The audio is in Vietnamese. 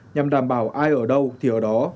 nhằm đảm bảo ai ở đâu thì ở đó